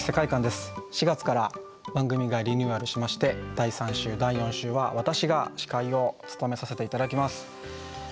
４月から番組がリニューアルしまして第３週第４週は私が司会を務めさせて頂きます。